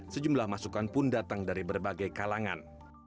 sejumlah masukan pun datang dari berbagai kalangan